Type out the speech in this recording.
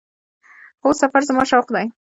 هو، سفر زما شوق دی